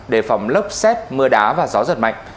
đề phòng lốc xét mưa đá và gió giật mạnh